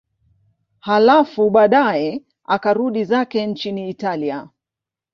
Halafu baadaye akarudi zake nchini Italia.